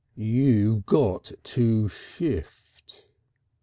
"You got to shift."